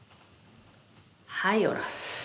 はい下ろす。